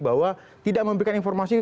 bahwa tidak memberikan informasi